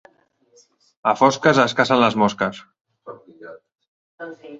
A fosques es cacen les mosques.